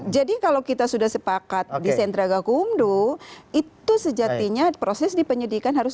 jadi kalau kita sudah sepakat di sentraga kumdu itu sejatinya proses dipenyedikan harus